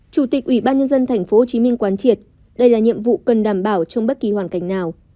chủ tịch ủy ban nhân dân tp hcm quán triệt đây là nhiệm vụ cần đảm bảo trong bất kỳ hoàn cảnh nào